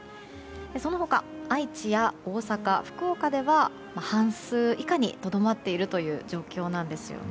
その他、愛知や大阪福岡では、半数以下にとどまっているという状況です。